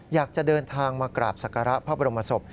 อยากจะเดินทางมากราบศักระพระบรมศพ